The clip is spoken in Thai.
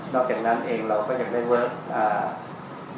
นอกจากนั้นเองเราก็จะได้เวิร์ล